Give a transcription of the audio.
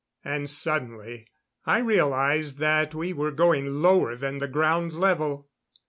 And suddenly I realized that we were going lower than the ground level.